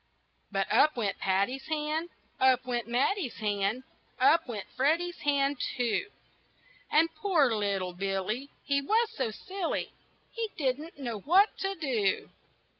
But up went Patty's hand, Up went Matty's hand, Up went Freddy's hand, too, And poor little Billy He was so silly, He didn't know what to do.